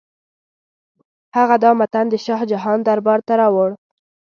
هغه دا متن د شاه جهان دربار ته راوړ.